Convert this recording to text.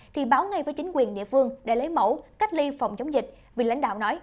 thì báo ngay với chính quyền địa phương để lấy mẫu cách ly phòng chống dịch vì lãnh đạo nói